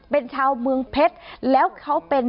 เป็นชาวเมืองเผ็ด